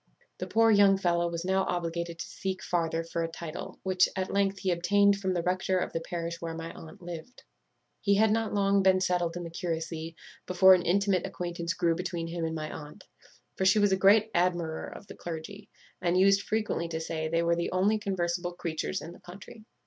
"The poor young fellow was now obliged to seek farther for a title, which, at length, he obtained from the rector of the parish where my aunt lived. "He had not long been settled in the curacy before an intimate acquaintance grew between him and my aunt; for she was a great admirer of the clergy, and used frequently to say they were the only conversible creatures in the country.